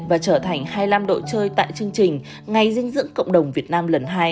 và trở thành hai mươi năm đội chơi tại chương trình ngày dinh dưỡng cộng đồng việt nam lần hai